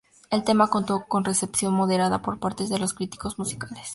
El tema contó con recepción moderada por parte de los críticos musicales.